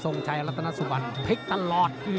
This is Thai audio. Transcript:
สงชัยรัฐนสุบันผิดตลอด